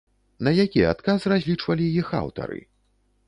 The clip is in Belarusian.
На які адказ разлічвалі іх аўтары?